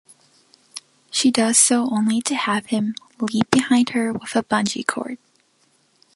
She does so only to have him leap behind her with a bungee cord.